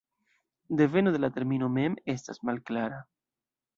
Deveno de la termino mem estas malklara.